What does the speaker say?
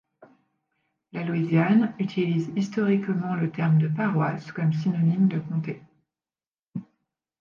La Louisiane utilise historiquement le terme de paroisse comme synonyme de comté.